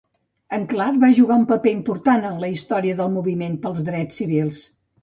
En Clark va jugar un paper important en la història del Moviment pels Drets Civils.